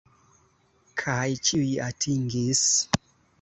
Kaj ĉiuj atingis!